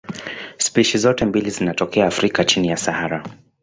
Spishi zote mbili zinatokea Afrika chini ya Sahara.